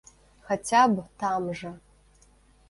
Хаця б там жа.